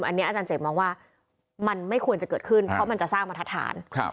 อันนี้อาจารย์เจตมองว่ามันไม่ควรจะเกิดขึ้นเพราะมันจะสร้างบรรทัศน์